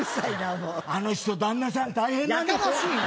もう「あの人旦那さん大変なんでしょ」